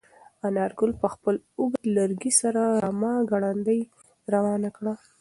انارګل په خپل اوږد لرګي سره رمه ګړندۍ روانه کړه.